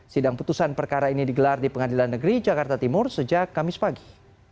sidang putusan perkara ini digelar di pengadilan negeri jakarta timur sejak kamis pagi